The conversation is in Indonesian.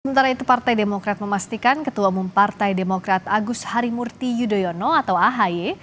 sementara itu partai demokrat memastikan ketua umum partai demokrat agus harimurti yudhoyono atau ahy